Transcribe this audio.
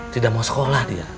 tidak mau sekolah dia